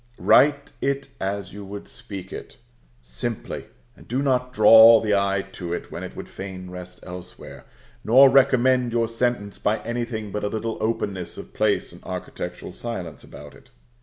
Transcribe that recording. Write it as you would speak it, simply; and do not draw the eye to it when it would fain rest elsewhere, nor recommend your sentence by anything but a little openness of place and architectural silence about it.